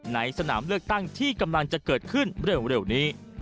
ในสนามเลือกตั้งที่กำลังจะเกิดขึ้นเร็วนี้